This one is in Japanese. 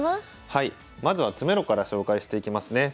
まずは詰めろから紹介していきますね。